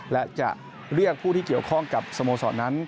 และจะเรียกผู้ที่เกี่ยวข้องกับสโมสรนั้น